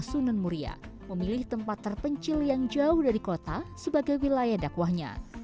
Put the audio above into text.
sunun muria memilih tempat terpencil yang jauh dari kota sebagai wilayah dakwahnya